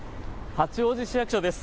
八王子市役所です。